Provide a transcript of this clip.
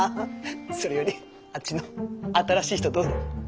それよりあっちの新しい人どうだい？